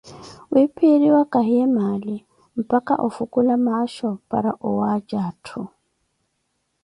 viiphiiriwa kahiye mali, mpaka ofukula omaasho para owaaja atthu.